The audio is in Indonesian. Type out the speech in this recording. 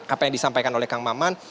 apa yang disampaikan oleh kang maman